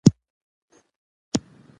ښوونځی نجونې د ټيم کار مشري پياوړې کوي.